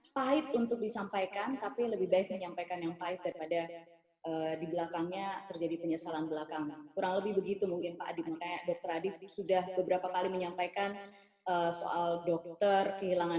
pertama kondisi kesehatan di indonesia